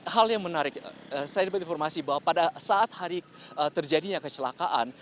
hal yang menarik saya dapat informasi bahwa pada saat hari terjadinya kecelakaan